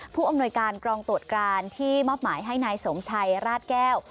ผู้อำนวยการกรองตรวจการที่มอบหมายให้นายสมชัยราชแก้ว